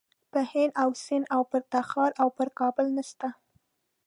په هند و سند و پر تخار او پر کابل نسته.